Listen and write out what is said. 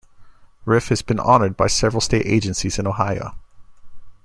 Riffe has been honored by several state agencies in Ohio.